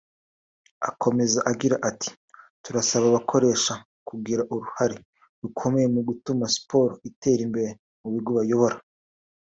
Akomeza agira ati “Turasaba abakoresha kugira uruhare rukomeye mu gutuma siporo itera imbere mu bigo bayobora